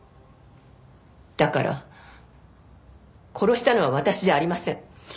だから殺したのは私じゃありません。